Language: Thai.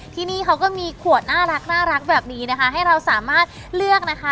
ที่นี่เขาก็มีขวดน่ารักแบบนี้นะคะให้เราสามารถเลือกนะคะ